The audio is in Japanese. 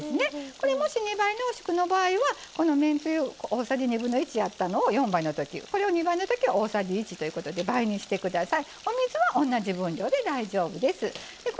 これ、もし２倍濃縮の場合はめんつゆを大さじ２分の１やったのを２倍のときは大さじ２分の１と意ことで倍にしてください。